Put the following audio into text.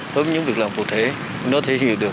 với những việc làm cụ thể nó thể hiện được